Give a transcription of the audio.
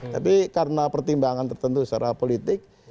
tapi karena pertimbangan tertentu secara politik